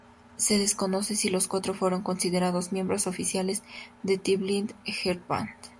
Se desconoce si los cuatro fueron considerados miembros oficiales de The Bleeding Heart Band.